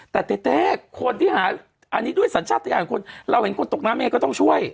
แต่เต้เต้คนที่หาอันนี้ด้วยสัญชาติยานคนเราเห็นคนตกน้ำเองก็ต้องช่วย